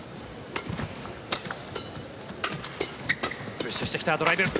プッシュしてきたドライブ。